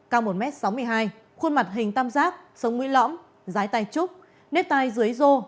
cao một m sáu mươi hai khuôn mặt hình tam giác sống mũi lõm giái tay trúc nếp tai dưới rô